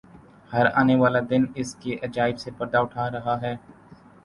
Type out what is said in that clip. ہر آنے والا دن اس کے عجائب سے پردہ اٹھا رہا ہے۔